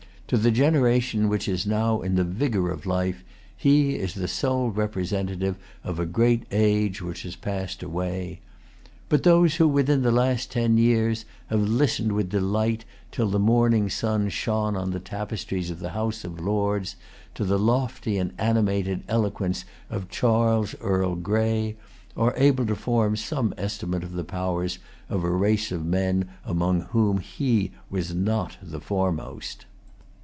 To the generation which is now in the vigor of life, he is the sole representative of a great age which has passed away. But those who, within the last ten years, have listened with delight, till the morning sun shone on the tapestries of the House of Lords, to the lofty and animated eloquence of Charles Earl Grey are able to form some estimate of the powers of a race of men among whom he was not the foremost.